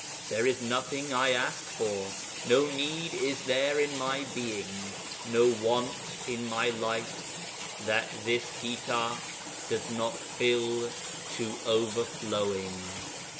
There is nothing I ask for; no need is there in my being, no want in my life that this Gita does not fill to overflowing.'